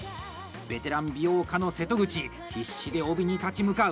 「ベテラン美容家」の瀬戸口必死で帯に立ち向かう！